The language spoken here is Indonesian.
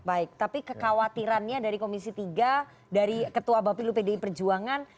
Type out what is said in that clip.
baik tapi kekhawatirannya dari komisi tiga dari ketua bapilu pdi perjuangan